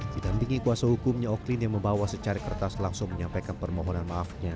didampingi kuasa hukumnya oklin yang membawa secari kertas langsung menyampaikan permohonan maafnya